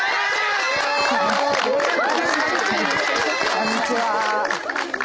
「こんにちは」